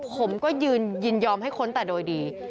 ผมก็ยินยอมให้ค้นแต่โดยดี